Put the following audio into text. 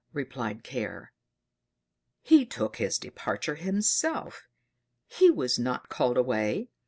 replied Care. "He took his departure himself; he was not called away.